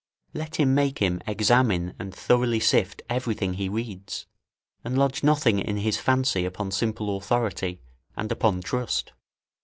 Let him make him examine and thoroughly sift everything he reads, and lodge nothing in his fancy upon simple authority and upon trust.